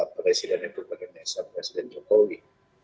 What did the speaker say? presiden itu presiden jokowi